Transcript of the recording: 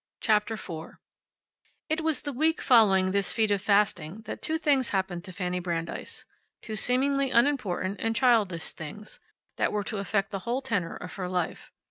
CHAPTER FOUR It was the week following this feat of fasting that two things happened to Fanny Brandeis two seemingly unimportant and childish things that were to affect the whole tenor of her life.